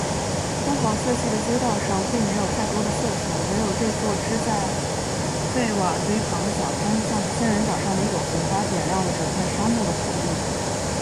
昏黄色系的街道上，并没有太多的色彩，唯有这座支在废瓦堆旁的小摊，像仙人掌上的一朵红花，点亮了整片沙漠的活力。